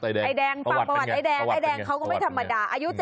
ไอ้แดงปรับประวัติไอ้แดงไอ้แดงเขาก็ไม่ธรรมดาประวัติเป็นยังไง